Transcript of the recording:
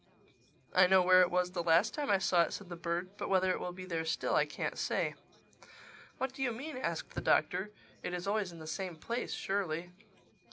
"I know where it was the last time I saw it," said the bird. "But whether it will be there still, I can't say." "What do you mean?" asked the Doctor. "It is always in the same place surely?"